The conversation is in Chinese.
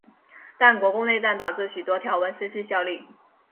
但国共内战导致许多条文失去效力。